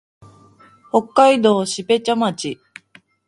北海道標茶町